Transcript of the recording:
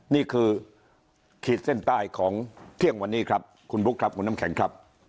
นี่คือขีดเส้นใต้ของเที่ยงวันนี้ครับคุณบุ๊คครับคุณน้ำแข็งครับ